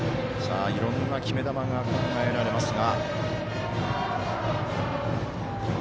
いろんな決め球が考えられますが。